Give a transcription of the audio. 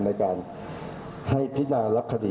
ในการพินาธิรัทธิ